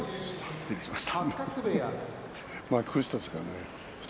失礼しました。